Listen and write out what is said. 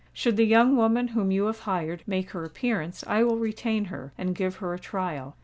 Should the young woman whom you have hired, make her appearance, I will retain her, and give her a trial.